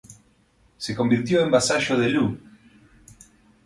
Se convirtió en vasallo de Lu.